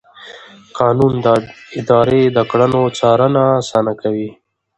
قانون د ادارې د کړنو څارنه اسانه کوي.